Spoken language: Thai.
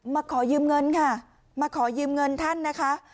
มาขอยืมเงินค่ะมาขอยืมเงินท่านนะคะ